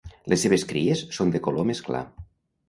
Les seves cries són de color més clar.